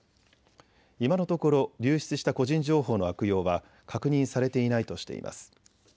今のところ流出した個人情報の悪用は確認されていないとしています。